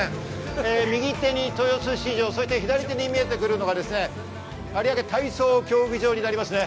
右手に豊洲市場、左手に見えてくるのが有明体操競技場になります。